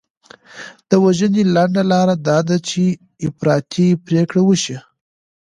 د وژنې لنډه لار دا ده چې افراطي پرېکړې وشي.